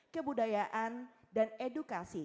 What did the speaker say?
kebudayaan dan edukasi